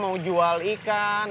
mau jual ikan